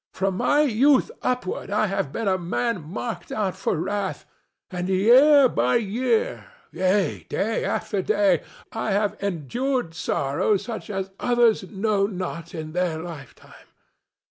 "From my youth upward I have been a man marked out for wrath, and year by year—yea, day after day—I have endured sorrows such as others know not in their lifetime.